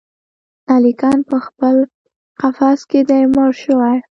الیکین پخپل قفس کي دی مړ شوی